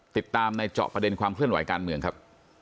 ติดตามในเจาะประเด็นความเคลื่อนไหวการเมืองครับ